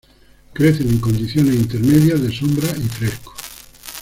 Crecen en condiciones intermedias de sombra y fresco.